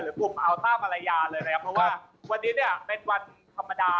กลุ่มอัลต้ามารยาเลยนะครับเพราะว่าวันนี้เนี่ยเป็นวันธรรมดา